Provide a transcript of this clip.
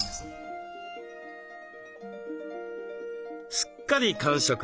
すっかり完食。